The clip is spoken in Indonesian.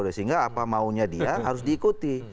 sehingga apa maunya dia harus diikuti